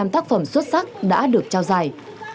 bốn mươi năm tác phẩm xuất sắc đã được trao giải